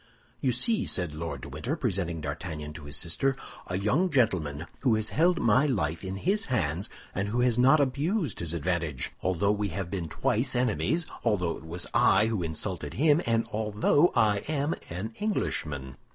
"You see," said Lord de Winter, presenting D'Artagnan to his sister, "a young gentleman who has held my life in his hands, and who has not abused his advantage, although we have been twice enemies, although it was I who insulted him, and although I am an Englishman.